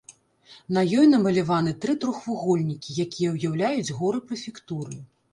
На ёй намаляваны тры трохвугольнікі, якія ўяўляюць горы прэфектуры.